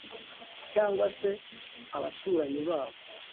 cyangwa se abaturanyi babo